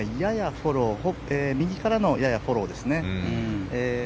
風は右からのややフォローです。